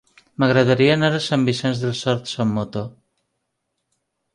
M'agradaria anar a Sant Vicenç dels Horts amb moto.